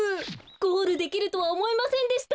ゴールできるとはおもいませんでした。